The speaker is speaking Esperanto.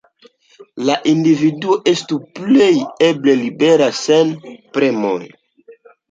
La individuo estu plej eble libera sen premoj.